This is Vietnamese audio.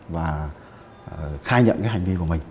và khai nhận cái hành vi của mình